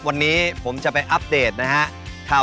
วันนี้ผมจะไปอัปเดตนะครับ